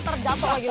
terjatuh lagi lo